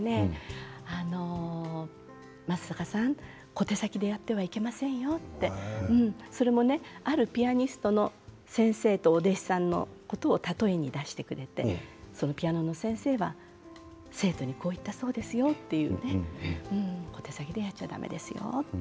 松坂さん小手先でやってはいけませんよってそれもあるピアニストの先生とお弟子さんのことを例えに出してくれてピアノの先生は生徒にこういったそうですよって小手先でやっちゃだめですよって。